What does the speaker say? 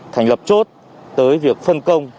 thành lập chốt tới việc phân công